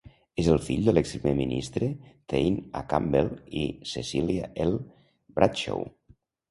És el fill de l'exprimer ministre Thane A. Campbell i Cecilia L. Bradshaw.